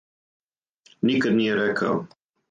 Никад није рекао.